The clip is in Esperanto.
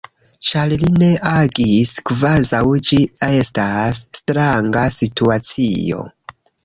Ĉar li ne agis kvazaŭ ĝi estas stranga situacio.